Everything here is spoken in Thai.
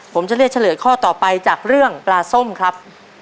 ผมจะเลือกเฉลยข้อต่อไปจากเรื่องปลาส้มครับ